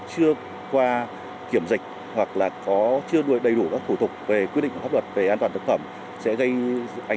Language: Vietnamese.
hiện có các cơ quan chuyên trách tham gia